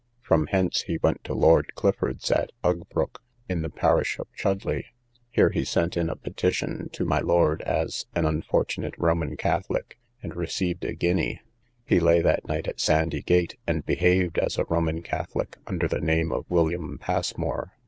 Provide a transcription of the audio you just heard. From hence he went to Lord Clifford's, at Uggbroke, in the parish of Chudleigh: here he sent in a petition to my Lord as an unfortunate Roman Catholic, and received a guinea; he lay that night at Sandy gate, and behaved as a Roman Catholic, under the name of William Passmore.